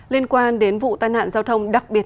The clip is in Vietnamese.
liên quan đến vụ tai nạn giao thông đặc biệt